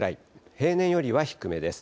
平年よりは低めです。